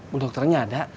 bu dokternya ada